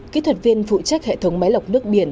kỹ thuật viên phụ trách hệ thống máy lọc nước biển